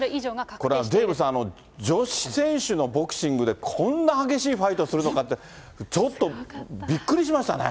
これ、デーブさん、女子選手のボクシングでこんな激しいファイトするのかって、ちょっとびっくりしましたね。